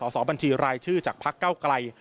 สอบบัญชีรายชื่อจากพักเก้าไกล